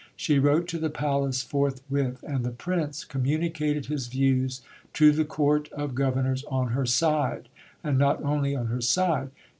She wrote to the Palace forthwith; and the Prince communicated his views to the Court of Governors on her side. And not only on her side.